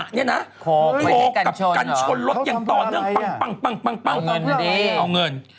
เงินดิ